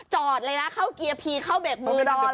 จอดเลยนะเข้าเกียร์พีเข้าเบรกมือรอเลย